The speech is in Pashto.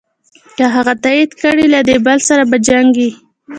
که هغه تایید کړې له دې بل سره په جنګ یې.